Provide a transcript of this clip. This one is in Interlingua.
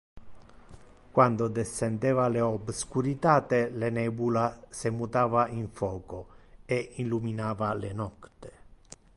Quando descendeva le obscuritate, le nebula se mutava in foco, e illuminava le nocte.